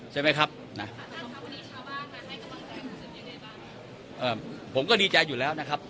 ใช่ไหมครับนะอ่าผมก็ดีใจอยู่แล้วนะครับ